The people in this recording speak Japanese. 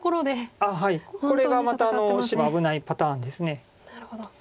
これがまた白が危ないパターンです。